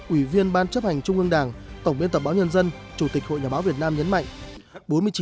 ủy viên ban chấp hành trung ương đảng tổng biên tập báo nhân dân chủ tịch hội nhà báo việt nam nhấn mạnh